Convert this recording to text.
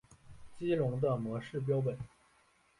激龙的模式标本。